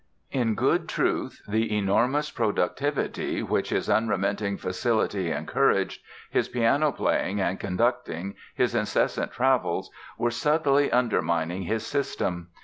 In good truth, the enormous productivity which his unremitting facility encouraged, his piano playing and conducting, his incessant travels were subtly undermining his system.